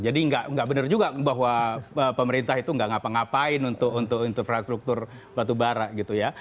jadi nggak bener juga bahwa pemerintah itu nggak ngapa ngapain untuk infrastruktur batu bara gitu ya